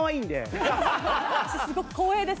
すごく光栄です。